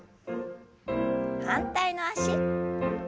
反対の脚。